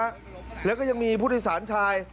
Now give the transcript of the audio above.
มาเสียชีวิตฮะแล้วก็ยังมีผู้โดยสารชาย